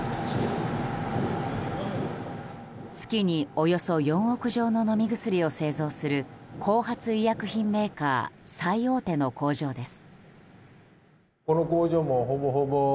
月におよそ４億錠の飲み薬を製造する後発医薬品メーカー最大手の工場です。